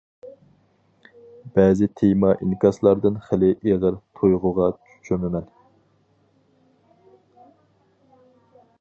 بەزى تېما ئىنكاسلاردىن خېلى ئېغىر تۇيغۇغا چۆمىمەن.